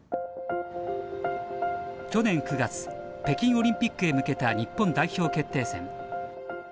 北京オリンピックへ向けた日本代表決定戦。